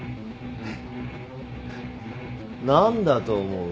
何だと思う？